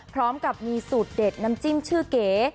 พร้อมกับมีสูตรเด็ดน้ำจิ้มชื่อเก๋